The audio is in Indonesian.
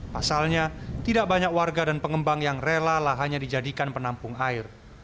pasalnya tidak banyak warga dan pengembang yang rela lahannya dijadikan penampung air